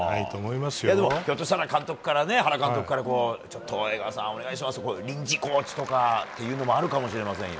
ひょっとしたら原監督から江川さんお願いしますと臨時コーチとかっていうのもあるかもしれませんよ。